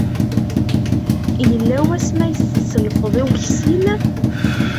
Yella wasmi ay as-tselfeḍ i weksil?